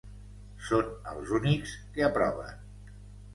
Són els únics que aproven.